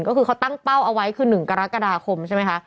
ก็คือเขาตั้งเป้าเอาไว้คือ๑กรกฎาคมใช่ไหมคะ